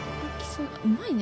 うまいね。